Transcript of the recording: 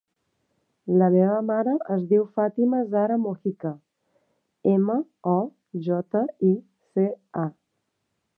La meva mare es diu Fàtima zahra Mojica: ema, o, jota, i, ce, a.